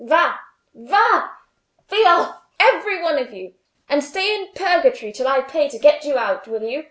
"Va, va! be off, every one of you, and stay in purgatory till I pay to get you out, will you?"